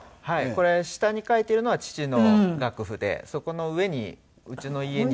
これ下に書いてるのは父の楽譜でそこの上にうちの家にいる猫。